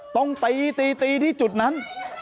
ต้องตีตีที่จุดนั้น